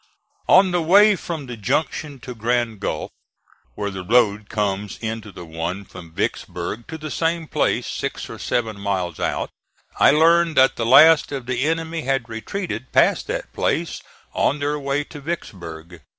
On the way from the junction to Grand Gulf, where the road comes into the one from Vicksburg to the same place six or seven miles out, I learned that the last of the enemy had retreated past that place on their way to Vicksburg.